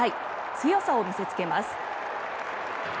強さを見せつけます。